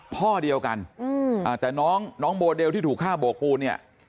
พ่อเดียวกันแต่น้องโบเดลที่ถูกฆ่าบกปูน